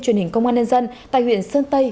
truyền hình công an nhân dân tại huyện sơn tây